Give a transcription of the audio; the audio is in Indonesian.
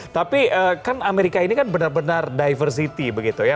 tapi kan amerika ini kan benar benar diversity begitu ya